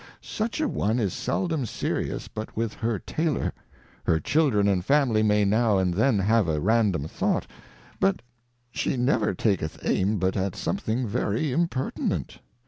Such a one is seldom serious but with her Taylor ; her Children and Family raay~now'"and~Then" have a random thought, but she • never taketh aim but at something very Impertinent.